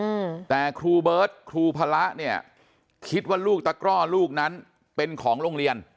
อืมแต่ครูเบิร์ตครูพระเนี่ยคิดว่าลูกตะกร่อลูกนั้นเป็นของโรงเรียน